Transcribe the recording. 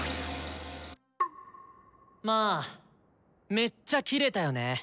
まあめっちゃキレたよね。